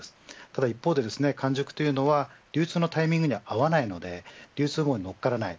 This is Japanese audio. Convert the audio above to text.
ただ一方で完熟というのは流通のタイミングには合わないので流通網に乗っからない。